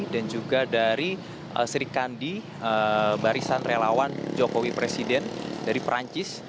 dan juga dari sri kandi barisan relawan jokowi presiden dari perancis